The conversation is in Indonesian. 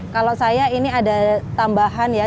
kalau saya ini ada tambahan ya